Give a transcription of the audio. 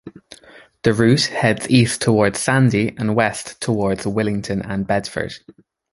The route heads east towards Sandy and west towards Willington and Bedford.